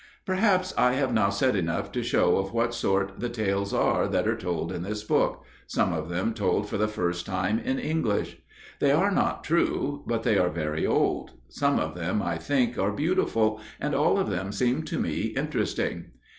Perhaps I have now said enough to show of what sort the tales are that are told in this book some of them told for the first time in English. They are not true, but they are very old; some of them, I think, are beautiful, and all of them seem to me interesting.